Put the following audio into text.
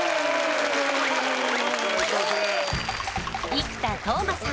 生田斗真さん